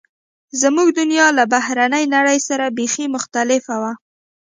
زموږ دنیا له بهرنۍ نړۍ سره بیخي مختلفه وه